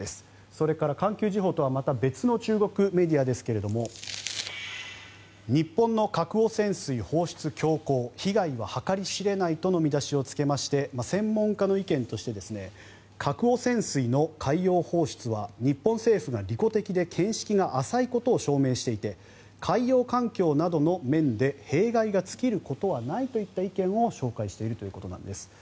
それから環球時報とはまた別の中国メディアですが日本の核汚染水放出強行被害は計り知れないとの見出しをつけまして専門家の意見として核汚染水の海洋放出は日本政府が利己的で見識が浅いことを証明していて海洋環境などの面で弊害が尽きることはないといった意見を紹介しているということなんです。